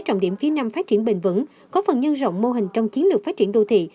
trọng điểm phía nam phát triển bền vững có phần nhân rộng mô hình trong chiến lược phát triển đô thị